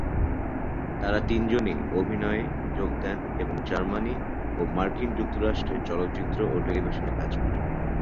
তারা তিনজনই অভিনয়ে যোগ দেন এবং জার্মানি ও মার্কিন যুক্তরাষ্ট্রে চলচ্চিত্র ও টেলিভিশনে কাজ করেন।